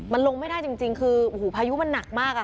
มันลงไม่ได้จริงคือโอ้โหพายุมันหนักมาก